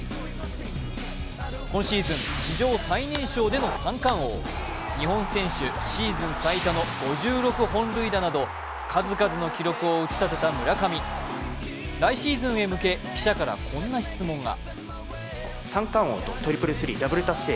今シーズン、史上最年少での三冠王、日本選手シーズン最多の５６本塁打など数々の記録を打ち立てた村上。来シーズンへ向け記者からこんな質問が。